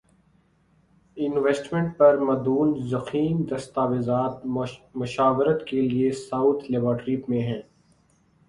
investment پر مدون ضخیم دستاویزات مشاورت کے لیے ساؤتھ لیبارٹری میں ہیں